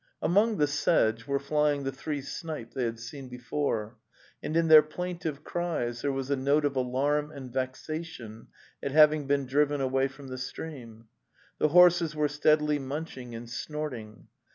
Among the sedge were flying the three snipe they had seen before, and in their plaintive cries there was a note of alarm and vexation at having been driven away from the stream. The horses were steadily munching and snorting.